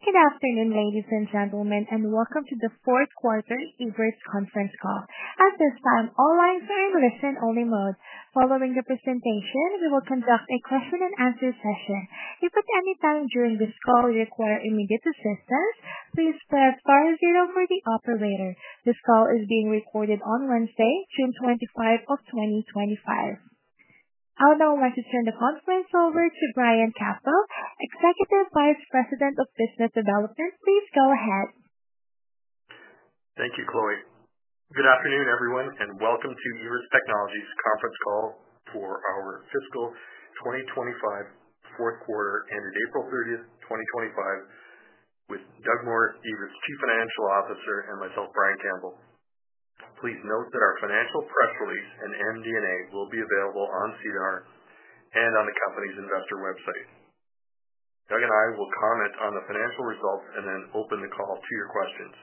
Good afternoon, ladies and gentlemen, and welcome to the fourth quarter Evertz conference call. At this time, all lines are in listen-only mode. Following the presentation, we will conduct a question-and-answer session. If at any time during this call you require immediate assistance, please press star zero for the operator. This call is being recorded on Wednesday, June 25 of 2025. I would now like to turn the conference over to Brian Campbell, Executive Vice President of Business Development. Please go ahead. Thank you, Chloe. Good afternoon, everyone, and welcome to Evertz Technologies' conference call for our fiscal 2025 fourth quarter, ended April 30th, 2025, with Doug Moore, Evertz's Chief Financial Officer, and myself, Brian Campbell. Please note that our financial press release and MD&A will be available on SEDAR and on the company's investor website. Doug and I will comment on the financial results and then open the call to your questions.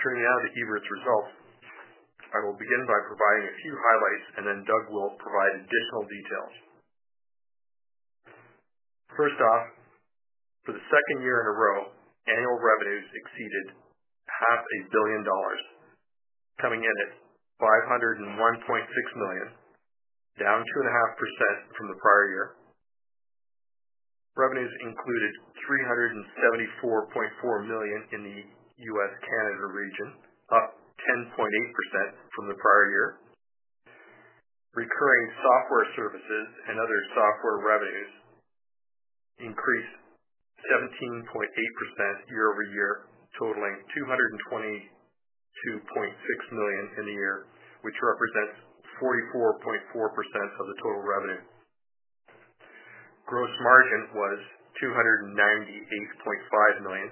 Turning now to Evertz results, I will begin by providing a few highlights, and then Doug will provide additional details. First off, for the second year in a row, annual revenues exceeded 500 million dollars coming in at 501.6 million down 2.5% from the prior year. Revenues included CAD $374.4 million in the U.S.-Canada region, up 10.8% from the prior year. Recurring software services and other software revenues increased 17.8% year over year, totaling 222.6 million in the year, which represents 44.4% of the total revenue. Gross margin was 298.5 million,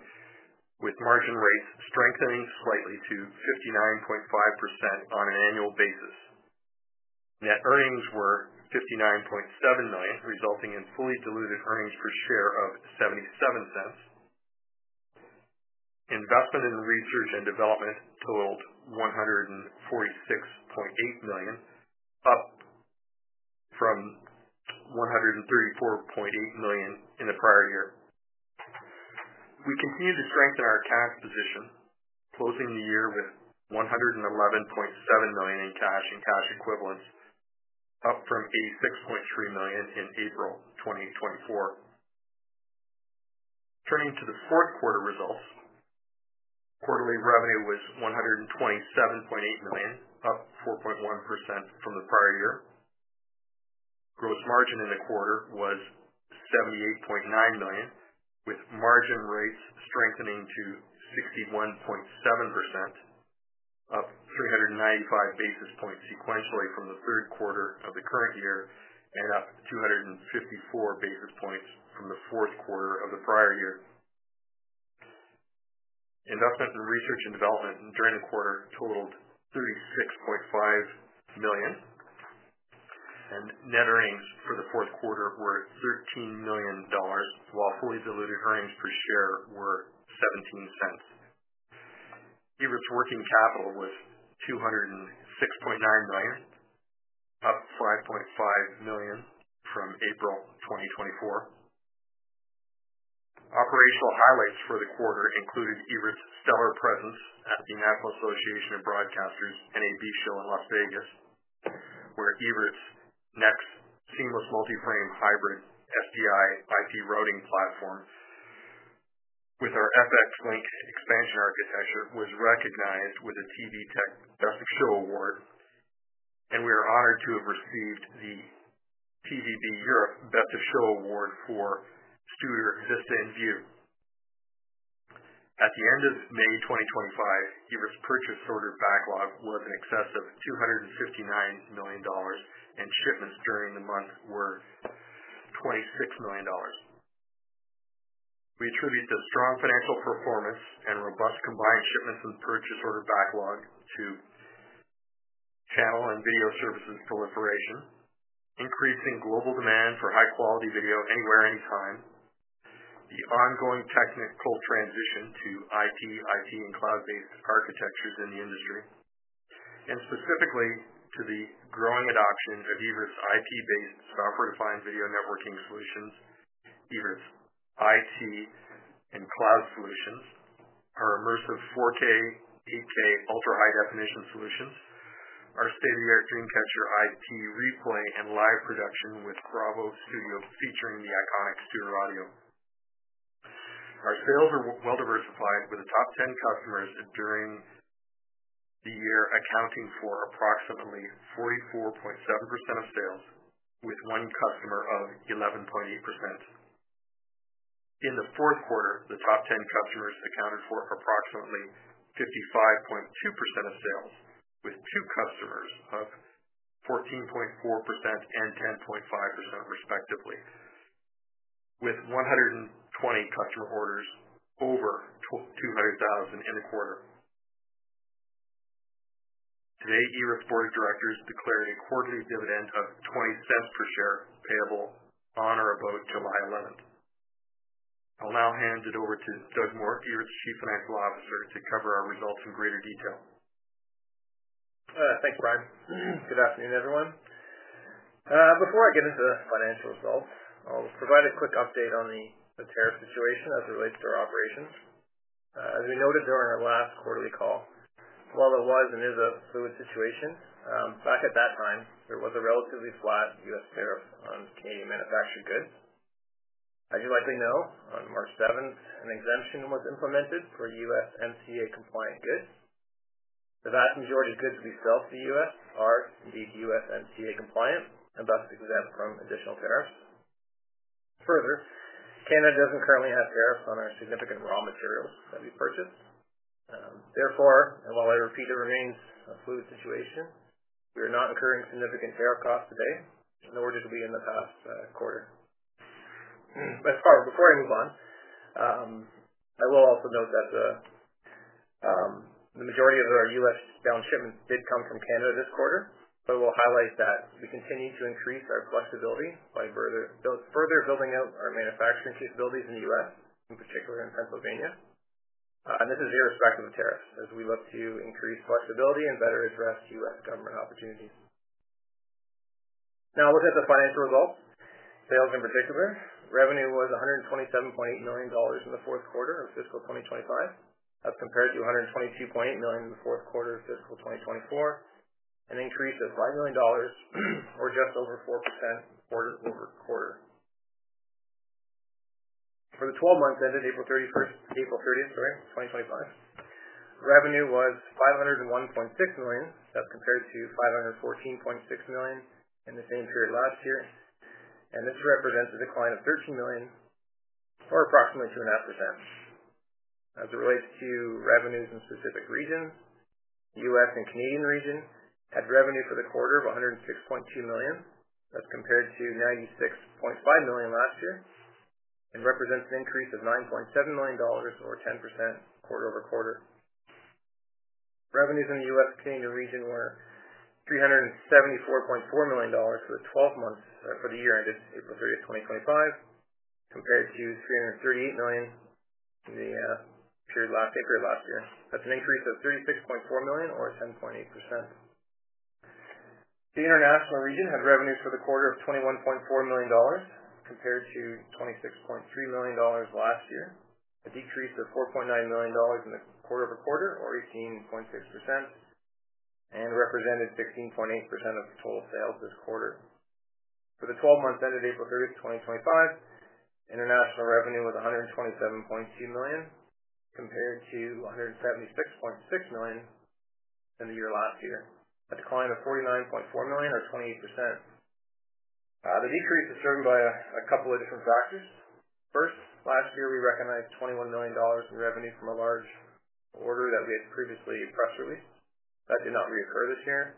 with margin rates strengthening slightly to 59.5% on an annual basis. Net earnings were 59.7 million, resulting in fully diluted earnings per share of 0.77. Investment in research and development totaled 146.8 million, up from 134.8 million in the prior year. We continued to strengthen our cash position, closing the year with 111.7 million in cash and cash equivalents, up from 86.3 million in April 2024. Turning to the fourth quarter results, quarterly revenue was 127.8 million, up 4.1% from the prior year. Gross margin in the quarter was 78.9 million, with margin rates strengthening to 61.7%, up 395 basis points sequentially from the third quarter of the current year and up 254 basis points from the fourth quarter of the prior year. Investment in research and development during the quarter totaled 36.5 million, and net earnings for the fourth quarter were 13 million dollars, while fully diluted earnings per share were 0.17. Evertz working capital was 206.9 million, up 5.5 million from April 2024. Operational highlights for the quarter included Evertz's stellar presence at the National Association of Broadcasters' NAB Show in Las Vegas, where Evertz's Next Seamless Multi-Frame Hybrid SDI/IP Routing Platform, with our FXLink expansion architecture, was recognized with a TVTech Best of Show Award, and we are honored to have received the TVB Europe Best of Show Award for Studer Vista in VUE. At the end of May 2025, Evertz's purchase order backlog was in excess of 259 million dollars, and shipments during the month were 26 million dollars. We attribute the strong financial performance and robust combined shipments and purchase order backlog to channel and video services proliferation, increasing global demand for high-quality video anywhere, anytime, the ongoing technical transition to IP, IT, and cloud-based architectures in the industry, and specifically to the growing adoption of Evertz's IP-based software-defined video networking solutions. Evertz's IT and cloud solutions, our immersive 4K, 8K, ultra-high-definition solutions, our state-of-the-art Dreamcatcher IP replay and live production with BRAVO Studio featuring the iconic Studio Audio. Our sales are well-diversified, with a top 10 customers during the year accounting for approximately 44.7% of sales, with one customer of 11.8%. In the fourth quarter, the top 10 customers accounted for approximately 55.2% of sales, with two customers of 14.4% and 10.5%, respectively, with 120 customer orders over 200,000 in the quarter. Today, Evertz's board of directors declared a quarterly dividend of 0.20 per share payable on or about July 11. I'll now hand it over to Doug Moore, Evertz's Chief Financial Officer, to cover our results in greater detail. Thanks, Brian. Good afternoon, everyone. Before I get into the financial results, I'll provide a quick update on the tariff situation as it relates to our operations. As we noted during our last quarterly call, while there was and is a fluid situation, back at that time, there was a relatively flat U.S. tariff on Canadian manufactured goods. As you likely know, on March 7th, an exemption was implemented for USMCA-compliant goods. The vast majority of goods we sell to the U.S. are indeed USMCA-compliant and thus exempt from additional tariffs. Further, Canada doesn't currently have tariffs on our significant raw materials that we purchase. Therefore, and while I repeat, there remains a fluid situation, we are not incurring significant tariff costs today nor did we in the past quarter. Before I move on, I will also note that the majority of our U.S.-bound shipments did come from Canada this quarter, but I will highlight that we continue to increase our flexibility by further building out our manufacturing capabilities in the U.S., in particular in Pennsylvania. This is irrespective of tariffs, as we look to increase flexibility and better address U.S. government opportunities. Now, looking at the financial results, sales in particular, revenue was 127.8 million dollars in the fourth quarter of fiscal 2025, that's compared to 122.8 million in the fourth quarter of fiscal 2024, an increase of 5 million dollars, or just over 4% quarter-over-quarter. For the 12 months ended April 30, 2025, revenue was 501.6 million, that's compared to 514.6 million in the same period last year, and this represents a decline of 13 million or approximately 2.5%. As it relates to revenues in specific regions, the U.S. and Canadian region had revenue for the quarter of 106.2 million, that's compared to 96.5 million last year, and represents an increase of 9.7 million dollars, or 10% quarter over quarter. Revenues in the U.S. and Canadian region were CAD 374.4 million for the 12 months for the year ended April 30, 2025, compared to CAD 338 million in the period last year. That's an increase of 36.4 million, or 10.8%. The international region had revenues for the quarter of 21.4 million dollars, compared to 26.3 million dollars last year, a decrease of 4.9 million dollars in the quarter-over-quarter, or 18.6%, and represented 16.8% of total sales this quarter. For the 12 months ended April 30, 2025, international revenue was 127.2 million, compared to 176.6 million in the year last year, a decline of 49.4 million, or 28%. The decrease is driven by a couple of different factors. First, last year we recognized 21 million dollars in revenue from a large order that we had previously press released. That did not reoccur this year.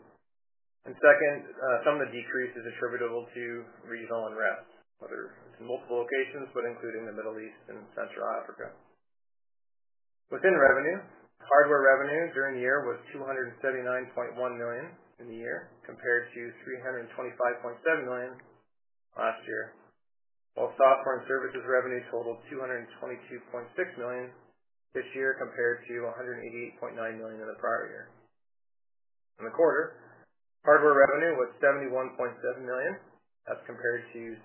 Second, some of the decrease is attributable to regional unrest, whether it is in multiple locations, but including the Middle East and Central Africa. Within revenue, hardware revenue during the year was 279.1 million in the year, compared to 325.7 million last year, while software and services revenue totaled 222.6 million this year, compared to 188.9 million in the prior year. In the quarter, hardware revenue was 71.7 million, that is compared to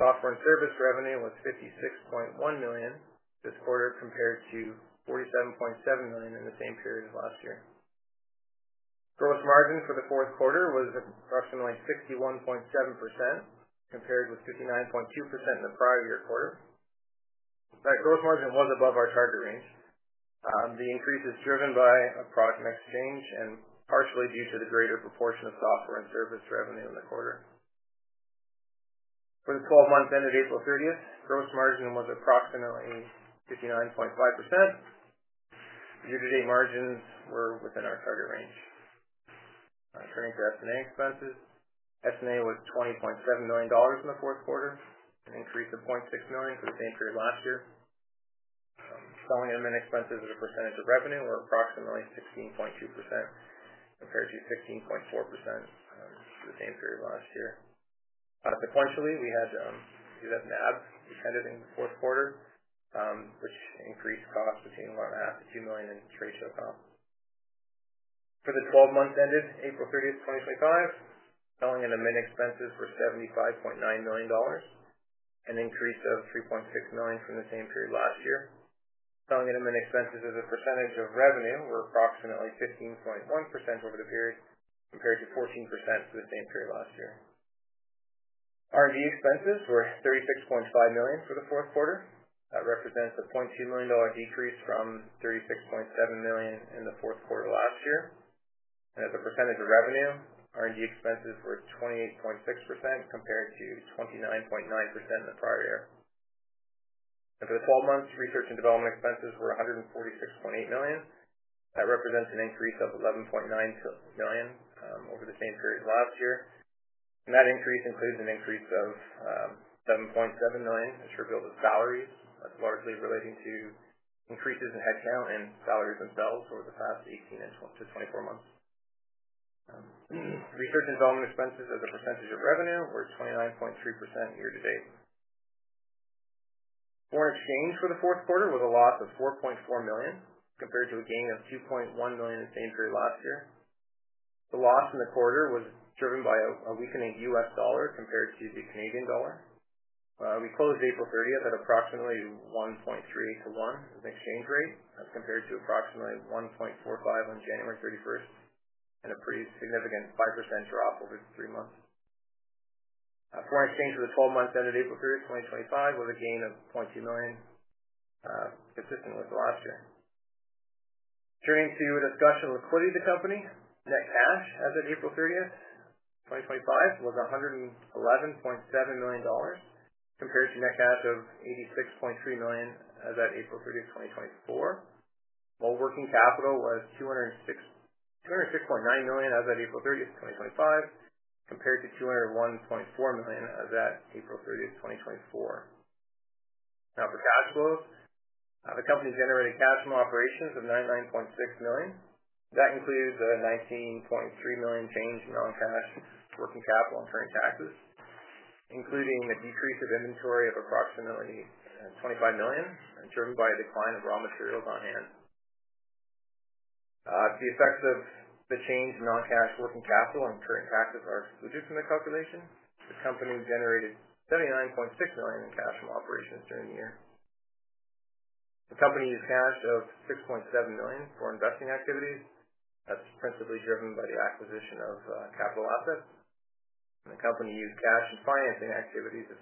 75.1 million in the same period last year, while software and service revenue was 56.1 million this quarter, compared to 47.7 million in the same period last year. Gross margin for the fourth quarter was approximately 61.7%, compared with 59.2% in the prior year quarter. That gross margin was above our target range. The increase is driven by a product exchange and partially due to the greater proportion of software and service revenue in the quarter. For the 12 months ended April 30th, gross margin was approximately 59.5%. Year-to-date margins were within our target range. Turning to SG&A expenses, SG&A was 20.7 million dollars in the fourth quarter, an increase of 0.6 million for the same period last year. Selling and expenses as a percentage of revenue were approximately 16.2%, compared to 16.4% for the same period last year. Sequentially, we had NAV which ended in the fourth quarter, which increased costs between 1.5 million-2 million in ratio comp. For the 12 months ended April 30th, 2025, selling and expenses were 75.9 million dollars, an increase of 3.6 million from the same period last year. Selling and expenses as a percentage of revenue were approximately 15.1% over the period, compared to 14% for the same period last year. R&D expenses were 36.5 million for the fourth quarter. That represents a 0.2 million dollar decrease from 36.7 million in the fourth quarter last year. As a percentage of revenue, R&D expenses were 28.6%, compared to 29.9% in the prior year. For the 12 months, research and development expenses were 146.8 million. That represents an increase of 11.9 million over the same period last year. That increase includes an increase of 7.7 million, which reveals salaries. That is largely relating to increases in headcount and salaries themselves over the past 18 to 24 months. Research and development expenses as a percentage of revenue were 29.3% year-to-date. Foreign exchange for the fourth quarter was a loss of 4.4 million, compared to a gain of 2.1 million in the same period last year. The loss in the quarter was driven by a weakening U.S. dollar compared to the Canadian dollar. We closed April 30th at approximately 1.38 to 1 as an exchange rate, that's compared to approximately 1.45 on January 31st, and a pretty significant 5% drop over three months. Foreign exchange for the 12 months ended April 30th, 2025, was a gain of 0.2 million, consistent with last year. Turning to a discussion of liquidity of the company, net cash as of April 30th, 2025, was 111.7 million dollars, compared to net cash of 86.3 million as of April 30th, 2024. While working capital was 206.9 million as of April 30, 2025, compared to 201.4 million as of April 30, 2024. Now, for cash flows, the company generated cash from operations of 99.6 million. That includes a 19.3 million change in non-cash working capital and current taxes, including a decrease of inventory of approximately 25 million, driven by a decline of raw materials on hand. The effects of the change in non-cash working capital and current taxes are excluded from the calculation. The company generated 79.6 million in cash from operations during the year. The company used cash of 6.7 million for investing activities. That's principally driven by the acquisition of capital assets. The company used cash in financing activities of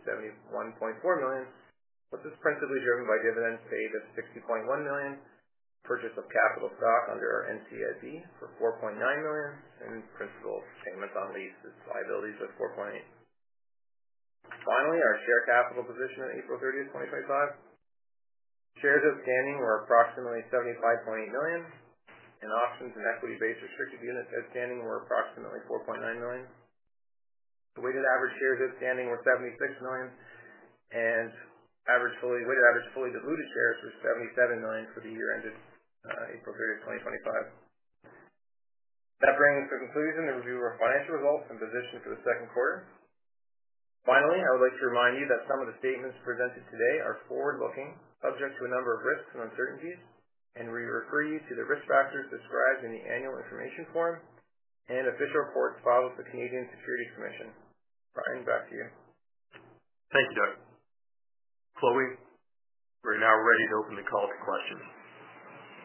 71.4 million, which is principally driven by dividends paid of 60.1 million, purchase of capital stock under NCIB for 4.9 million, and principal payments on leases liabilities of CAD 4.8 million. Finally, our share capital position at April 30, 2025. Shares outstanding were approximately 75.8 million, and options and equity-based restricted units outstanding were approximately 4.9 million. The weighted average shares outstanding were 76 million, and weighted average fully diluted shares were 77 million for the year ended April 30, 2025. That brings us to the conclusion to review our financial results and position for the second quarter. Finally, I would like to remind you that some of the statements presented today are forward-looking, subject to a number of risks and uncertainties, and we refer you to the risk factors described in the annual information form and official reports filed with the Canadian Securities Commission. Brian, back to you. Thank you, Doug. Chloe, we're now ready to open the call to questions.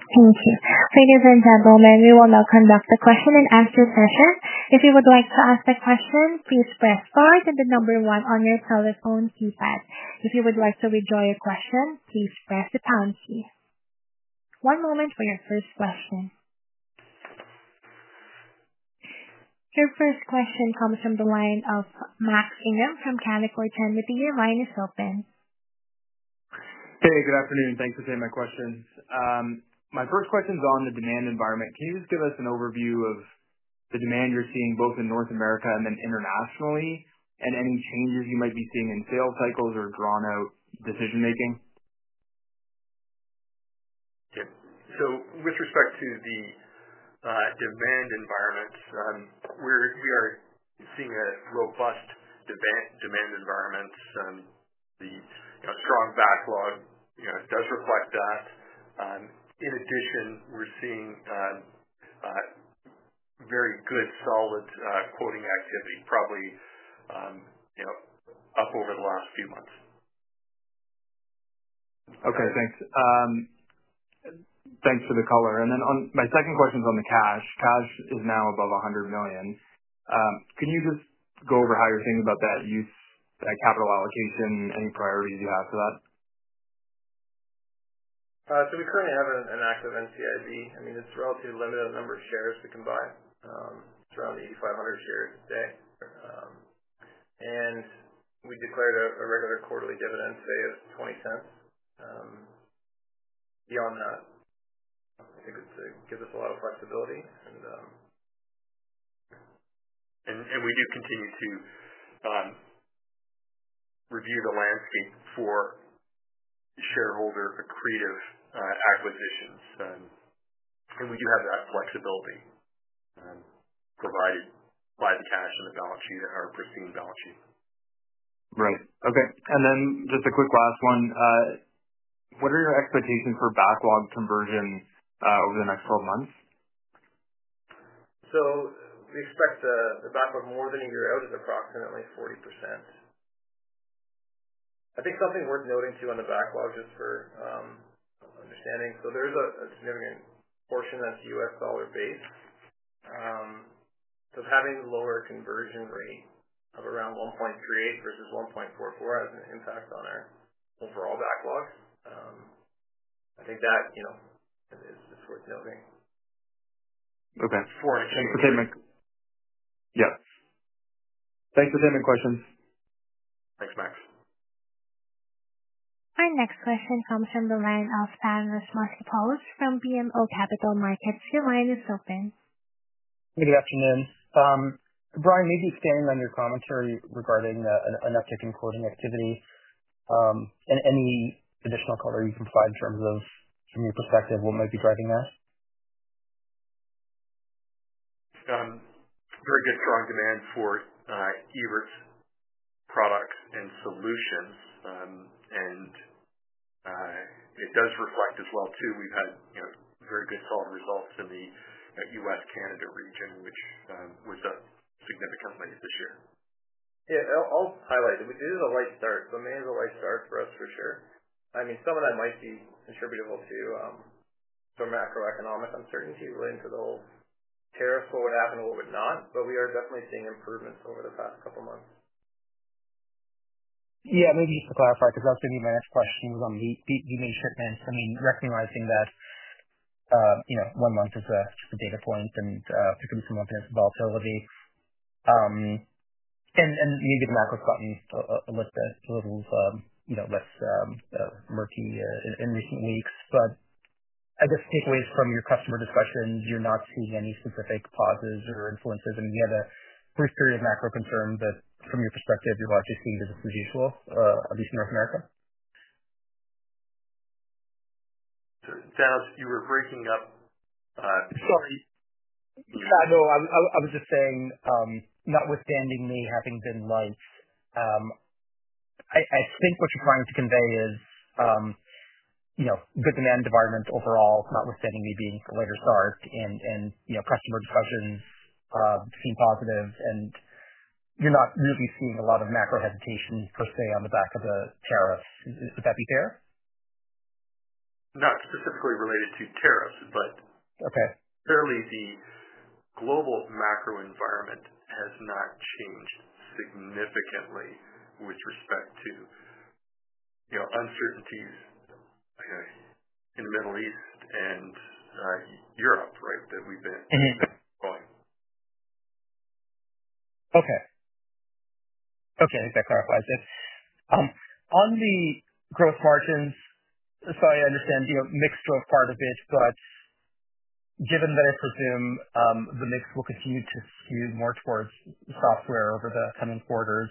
Thank you. Ladies and gentlemen, we will now conduct the question and answer session. If you would like to ask a question, please press star and the number one on your telephone keypad. If you would like to withdraw your question, please press the pound key. One moment for your first question. Your first question comes from the line of Max Ingram from Canaccord Genuity. Your line is open. Hey, good afternoon. Thanks for taking my questions. My first question is on the demand environment. Can you just give us an overview of the demand you're seeing both in North America and then internationally, and any changes you might be seeing in sales cycles or drawn-out decision-making? Yeah. With respect to the demand environment, we are seeing a robust demand environment. The strong backlog does reflect that. In addition, we are seeing very good solid quoting activity, probably up over the last few months. Okay. Thanks. Thanks for the color. My second question is on the cash. Cash is now above 100 million. Can you just go over how you're thinking about that use of that capital allocation, any priorities you have for that? We currently have an active NCIB. I mean, it is relatively limited on the number of shares we can buy. It is around 8,500 shares a day. We declared a regular quarterly dividend, say, of 0.20. Beyond that, I think it gives us a lot of flexibility. We do continue to review the landscape for shareholder accretive acquisitions. We do have that flexibility provided by the cash in the balance sheet and our pristine balance sheet. Right. Okay. Just a quick last one. What are your expectations for backlog conversion over the next 12 months? We expect the backlog more than a year out is approximately 40%. I think something worth noting too on the backlog, just for understanding, there is a significant portion that is US dollar-based. Having a lower conversion rate of around 1.38 versus 1.44 has an impact on our overall backlog. I think that is worth noting. Okay. Thanks for taking my—yeah. Thanks for taking my questions. Thanks, Max. Our next question comes from the line of Thanos Moschopoulos from BMO Capital Markets. Your line is open. Good afternoon. Brian, maybe expanding on your commentary regarding an uptick in quoting activity and any additional color you can provide in terms of, from your perspective, what might be driving that? Very good strong demand for Evertz's products and solutions. It does reflect as well too. We've had very good solid results in the U.S.-Canada region, which was up significantly this year. Yeah. I'll highlight it. It is a light start. Maybe it's a light start for us for sure. I mean, some of that might be attributable to some macroeconomic uncertainty relating to the whole tariffs, what would happen, what would not. We are definitely seeing improvements over the past couple of months. Yeah. Maybe just to clarify, because that was going to be my next question, was on the main shipments. I mean, recognizing that one month is just a data point and there could be some momentum in volatility. I mean, maybe the macro's gotten a little less murky in recent weeks. I guess takeaways from your customer discussions, you're not seeing any specific pauses or influences. I mean, you had a brief period of macro concern, but from your perspective, you're largely seeing business as usual, at least in North America. Thanos, you were breaking up. Sorry. Yeah. No, I was just saying notwithstanding me having been light, I think what you're trying to convey is good demand environment overall, notwithstanding me being the later start, and customer discussions seem positive, and you're not really seeing a lot of macro hesitation per se on the back of the tariffs. Would that be fair? Not specifically related to tariffs, but clearly the global macro environment has not changed significantly with respect to uncertainties in the Middle East and Europe, right, that we've been going. Okay. Okay. I think that clarifies it. On the gross margins, so I understand mixed growth part of it, but given that I presume the mix will continue to skew more towards software over the coming quarters,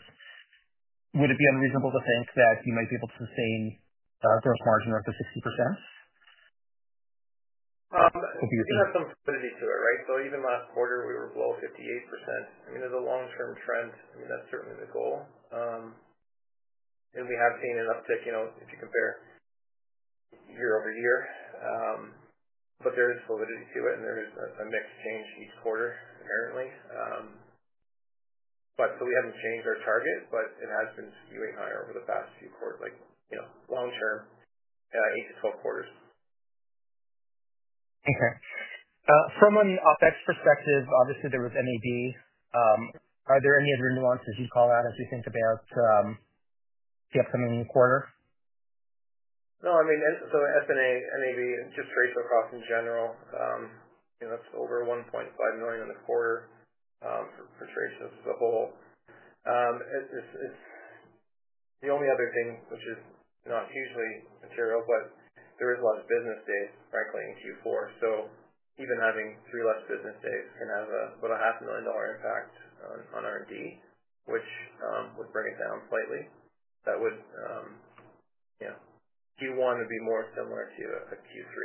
would it be unreasonable to think that you might be able to sustain a gross margin of up to 60%? What do you think? There's some validity to it, right? Even last quarter, we were below 58%. I mean, as a long-term trend, I mean, that's certainly the goal. We have seen an uptick if you compare year over year. There is validity to it, and there is a mixed change each quarter, apparently. We haven't changed our target, but it has been skewing higher over the past few quarters, like long-term, 8 quarters-12 quarters. Okay. From an OpEx perspective, obviously there was NAV. Are there any other nuances you'd call out as we think about the upcoming quarter? No. I mean, S&A, NAV, and just trade sales costs in general, that's over 1.5 million in the quarter for trade sales as a whole. The only other thing, which is not hugely material, but there is a lot of business days, frankly, in Q4. Even having three less business days can have about a 500,000 dollar impact on R&D, which would bring it down slightly. That would, yeah, Q1 would be more similar to a Q3.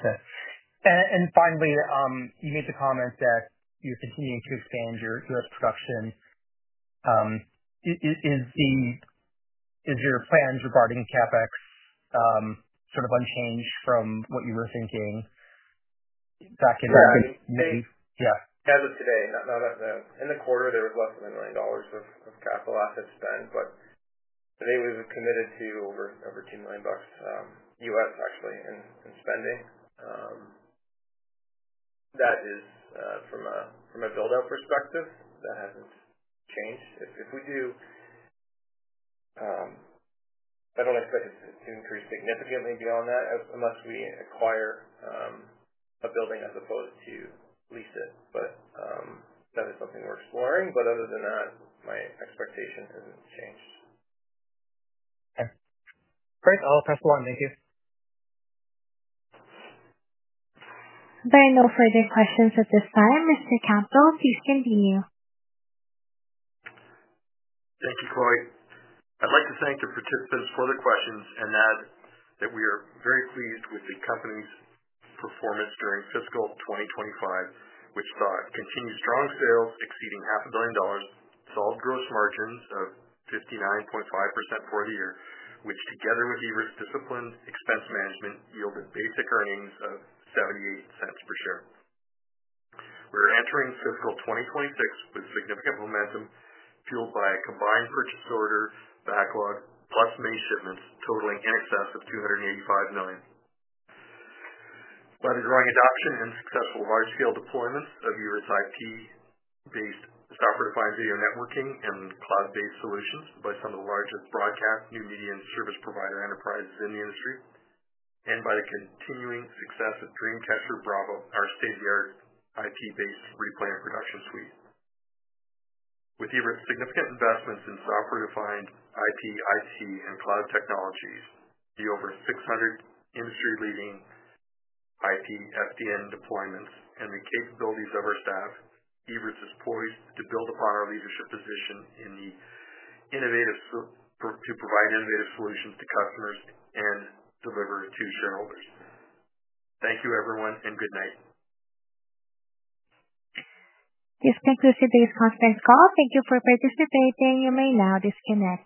Okay. Finally, you made the comment that you're continuing to expand your U.S. production. Is your plans regarding CapEx sort of unchanged from what you were thinking back in May? As of today, not in the quarter, there was less than 1 million dollars of capital assets spent, but today we've committed to over $2 million, actually, in spending. That is from a build-out perspective. That hasn't changed. If we do, I don't expect it to increase significantly beyond that unless we acquire a building as opposed to lease it. That is something we're exploring. Other than that, my expectation hasn't changed. Okay. Great. I'll pass the line. Thank you. There are no further questions at this time. Mr. Campbell, please continue. Thank you, Chloe. I'd like to thank the participants for the questions and add that we are very pleased with the company's performance during fiscal 2025, which saw continued strong sales exceeding 500 million dollars solid gross margins of 59.5% for the year, which together with Evertz's disciplined expense management yielded basic earnings of 0.78 per share. We are entering fiscal 2026 with significant momentum fueled by a combined purchase order backlog plus May shipments totaling in excess of 285 million. By the growing adoption and successful large-scale deployments of Evertz's IP-based software-defined video networking and cloud-based solutions by some of the largest broadcast, new media, and service provider enterprises in the industry, and by the continuing success of DreamCatcher BRAVO, our state-of-the-art IP-based replay and production suite. With Evertz's significant investments in software-defined IP, IT and cloud technologies, the over 600 industry-leading IP FDN deployments, and the capabilities of our staff, Evertz is poised to build upon our leadership position to provide innovative solutions to customers and deliver to shareholders. Thank you, everyone, and good night. This concludes today's conference call. Thank you for participating. You may now disconnect.